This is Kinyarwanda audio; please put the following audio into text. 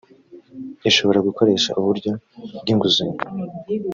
ishobora gukoresha uburyo bw’inguzanyo